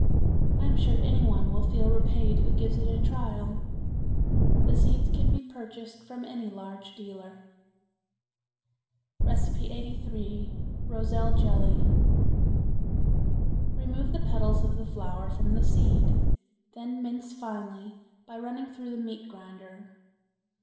I am sure any one will feel repaid who gives it a trial. The seeds can be purchased from any large dealer. 83. Roselle Jelly. Remove the petals of the flower from the seed; then mince finely by running through the meat grinder.